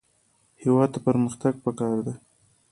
هېواد ته پرمختګ پکار دی